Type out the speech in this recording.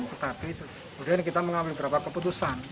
tetapi kemudian kita mengambil beberapa keputusan